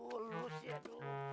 aduh lu sih aduh